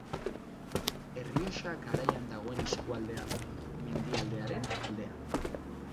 Errioxa Garaian dagoen eskualdea da, mendialdearen aldean.